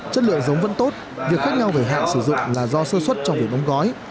chất lượng giống vẫn tốt việc khác nhau về hạn sử dụng là do sơ xuất trong việc đóng gói